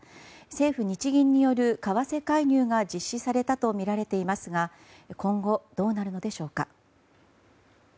政府・日銀により為替介入が実施されたとみられていますが今後、どうなるのでしょうか。